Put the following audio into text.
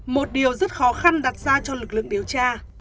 một điều rất khó khăn đặt ra cho lực lượng điều tra